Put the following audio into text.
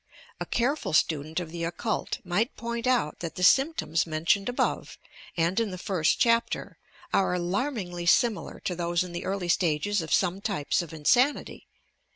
A careful student of the occult might point out that the symptoms mentioned above, and in the first chapter, are alarmingly similar to those in the early stages of some tJTjes ot insanity.